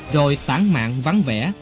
rồi tán mạng vắng vẻ